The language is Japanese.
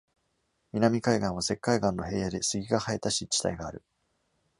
南海岸は石灰岩の平野で、杉が生えた湿地帯がある。